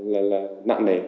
là là nặng nề